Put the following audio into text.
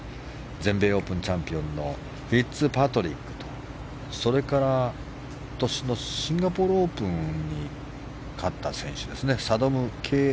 全米オープンチャンピオンのフィッツパトリックと今年のシンガポールオープンに勝った選手